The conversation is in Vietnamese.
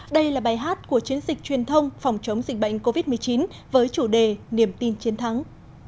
đây là bài hát của chiến dịch truyền thông phòng chống dịch bệnh covid một mươi chín với chủ đề niềm tin chiến thắng